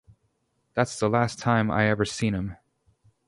That's the last time I ever seen 'em.